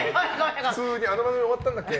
普通にあの番組終わったんだっけ？